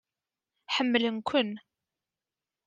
Ḥemmlen-ken.